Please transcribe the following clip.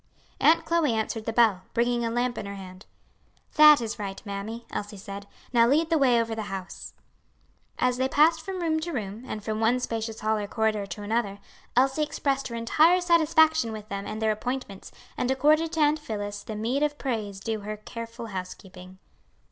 Aunt Chloe answered the bell, bringing a lamp in her hand. "That is right, mammy," Elsie said. "Now lead the way over the house." As they passed from room to room, and from one spacious hall or corridor to another, Elsie expressed her entire satisfaction with them and their appointments, and accorded to Aunt Phillis the meed of praise due her careful housekeeping.